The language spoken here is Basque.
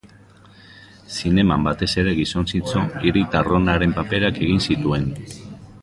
Zineman batez ere gizon zintzo, hiritar onaren paperak egin zituen.